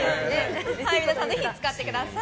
皆さん、ぜひ使ってください。